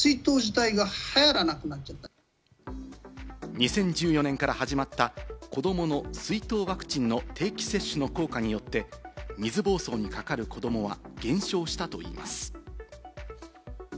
２０１４年から始まった子どもの水痘ワクチンの定期接種の効果によって、水ぼうそうにかかる子どもは減少したといいます。